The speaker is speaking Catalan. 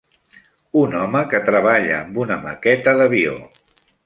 Un home que treballa amb una maqueta d'avió.